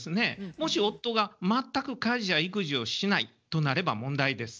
もし夫が全く家事や育児をしないとなれば問題です。